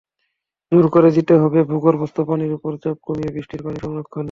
জোর দিতে হবে ভূগর্ভস্থ পানির ওপর চাপ কমিয়ে বৃষ্টির পানি সংরক্ষণে।